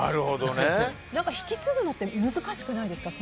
引き継ぐのって難しくないですか？